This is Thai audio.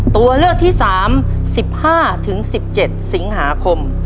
ตัวเลือกที่๓๑๕๑๗สิงหาคม